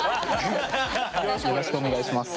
よろしくお願いします。